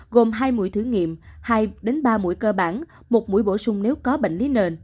gồm hai mũi thử nghiệm hai ba mũi cơ bản một mũi bổ sung nếu có bệnh lý nền